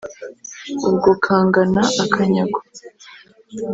Ubwo kangana akanyago.